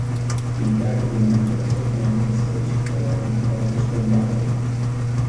L'interno è illuminato da sei finestre semicircolari poste su ogni lato.